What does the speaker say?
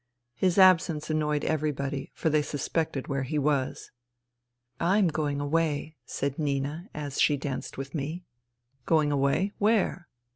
His absence annoyed everybody, for they suspected where he was. " I am going away," said Nina as she danced with me. " Going away ? Where